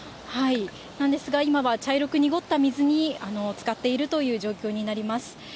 なんですが、今は茶色く濁った水につかっているという状況になります。